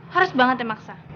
harus banget ya maksa